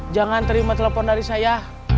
jangan terima telepon dari saya